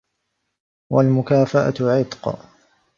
وَالْمُكَافَأَةُ عِتْقٌ